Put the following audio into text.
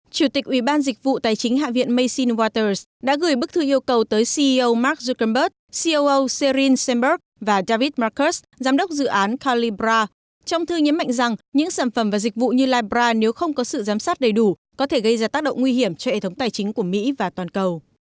chủ tịch ủy ban dịch vụ tài chính hạ viện masin waters đã gửi bức thư yêu cầu tới ceo mark zuckermberg coo series sanberg và david markus giám đốc dự án calibra trong thư nhấn mạnh rằng những sản phẩm và dịch vụ như libra nếu không có sự giám sát đầy đủ có thể gây ra tác động nguy hiểm cho hệ thống tài chính của mỹ và toàn cầu